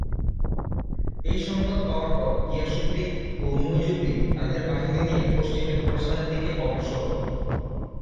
এই সংবাদ পাওয়ার পর গিয়াসউদ্দিন ও মুইজউদ্দিন তাদের বাহিনী নিয়ে পশ্চিমে খোরাসানের দিকে অগ্রসর হন।